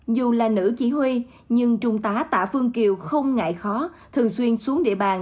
dù là nữ chỉ huy nhưng trung tá tạ phương kiều không ngại khó thường xuyên xuống địa bàn